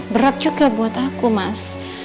berat juga buat aku mas